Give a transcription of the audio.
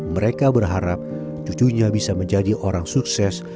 mereka berharap cucunya bisa menjadi orang sukses